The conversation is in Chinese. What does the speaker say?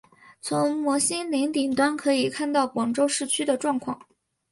从摩星岭顶端可以看到广州市区的状况。